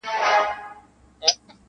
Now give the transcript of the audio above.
يو يې دا وو له سلگونو رواجونو-